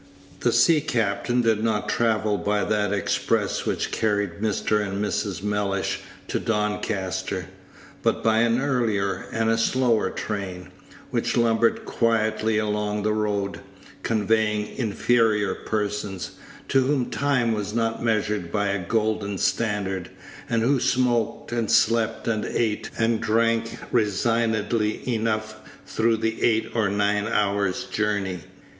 The sea captain did not travel by that express which carried Mr. and Mrs. Mellish to Doncaster, but by an earlier and a slower train, which lumbered quietly along the road, conveying inferior persons, to whom time was not measured by a golden standard, and who smoked, and slept, and ate, and drank resignedly enough through the eight or nine hours journey.